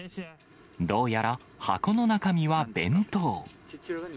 どうやら箱の中身は弁当。